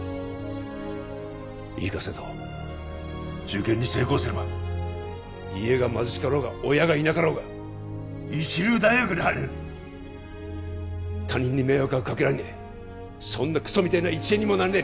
いいか瀬戸受験に成功すれば家が貧しかろうが親がいなかろうが一流大学に入れる他人に迷惑はかけられねえそんなクソみてえな１円にもならねえ